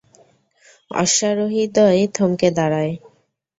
অশ্বারোহীদ্বয় থমকে দাঁড়ায়।